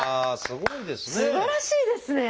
すばらしいですね。